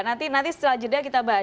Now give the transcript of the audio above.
nanti setelah jeda kita bahas